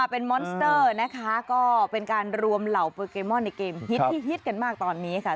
เป็นมอนสเตอร์นะคะก็เป็นการรวมเหล่าโปเกมอนในเกมฮิตที่ฮิตกันมากตอนนี้ค่ะ